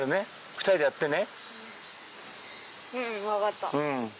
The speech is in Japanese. ２人でやってね？